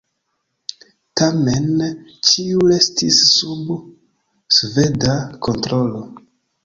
Tamen ĉio restis sub sveda kontrolo.